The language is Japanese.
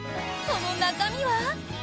その中身は。